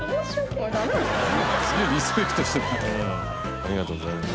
ありがとうございます。